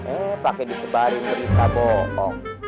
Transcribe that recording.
eh pakai disebari merita bohong